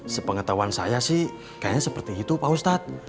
sepengetahuan saya sih kayaknya seperti itu pak ustadz